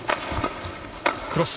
クロス。